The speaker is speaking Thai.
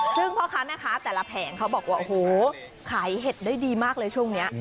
ซึ่งพ่อค้าแม่ค้าแต่ละแผงเขาบอกว่าโอ้โหขายเห็ดได้ดีมากเลยช่วงนี้